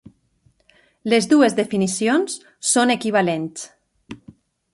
Les dues definicions són equivalents.